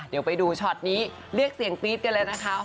เดี๋ยวไปดูช็อตนี้เรียกเสียงปี๊ดกันเลยนะคะ